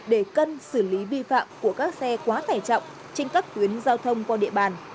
để cân xử lý vi phạm của các xe quá tải trọng trên các tuyến giao thông qua địa bàn